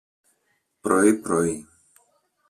πρωί-πρωί